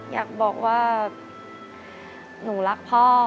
อยากบอกว่าหนูรักพ่อ